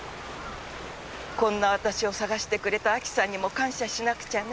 こんな私を捜してくれたアキさんにも感謝しなくちゃね。